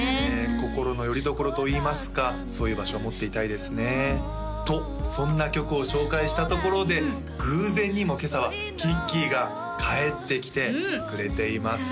心のよりどころといいますかそういう場所を持っていたいですねとそんな曲を紹介したところで偶然にも今朝はきっきーが帰ってきてくれています